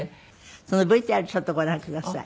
そのＶＴＲちょっとご覧ください。